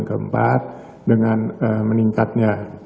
fruit bank indonesia memperkirakan